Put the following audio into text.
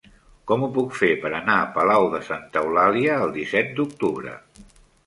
Com ho puc fer per anar a Palau de Santa Eulàlia el disset d'octubre?